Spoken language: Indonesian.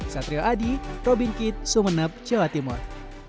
satrio adi robin kit sumeneb jawa timur